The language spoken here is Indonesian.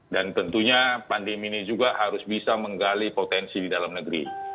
dan tentunya pandemi ini juga harus bisa menggali potensi di dalam negeri